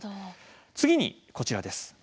次に、こちらです。